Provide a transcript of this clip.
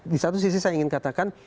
di satu sisi saya ingin katakan